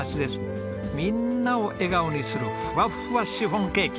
みんなを笑顔にするふわふわシフォンケーキ。